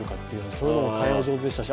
そういうのも大変お上手でしたし